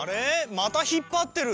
またひっぱってる！